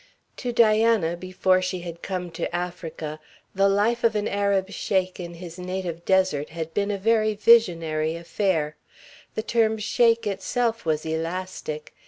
To Diana before she had come to Africa the life of an Arab Sheik in his native desert had been a very visionary affair. The term sheik itself was elastic.